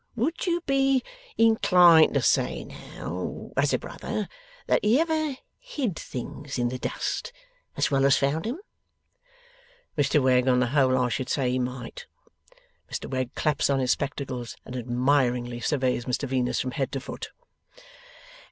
Would you be inclined to say now as a brother that he ever hid things in the dust, as well as found 'em?' 'Mr Wegg, on the whole I should say he might.' Mr Wegg claps on his spectacles, and admiringly surveys Mr Venus from head to foot.